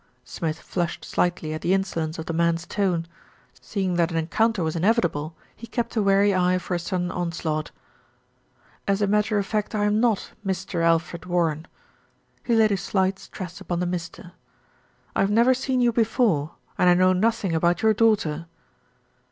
Smith flushed slightly at the insolence of the man's tone. Seeing that an encounter was inevitable, he kept a wary eye for a sudden onslaught. "As a matter of fact I am not Mr. Alfred Warren." He laid a slight stress upon the "Mr." "I have never seen you before, and I know nothing about your daugh ter."